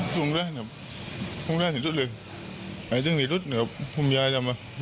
เป็นเวลายากกล้าปั๊มเหมือนเดิม